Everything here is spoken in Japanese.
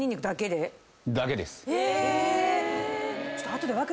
え！